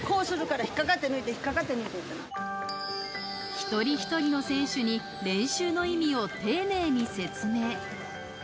一人一人の選手に練習の意味を丁寧に説明。